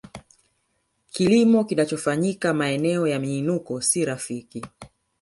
Kilimo kinachofanyika maeneo ya miinuko si rafiki